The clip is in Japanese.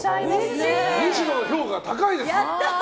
西野の評価、高いです。